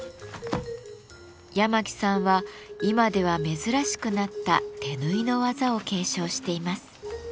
八巻さんは今では珍しくなった手縫いの技を継承しています。